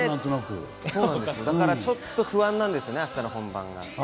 ちょっと不安なんですよね、明日の本番が。